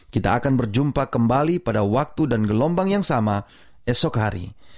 kita akan berjumpa kembali pada waktu dan gelombang yang sama esok hari